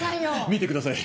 見てください。